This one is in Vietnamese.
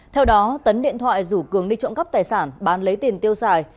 theo đó tấn điện thoại rủ cường đi trộm cắp tài sản bán lấy tiền tiêu xài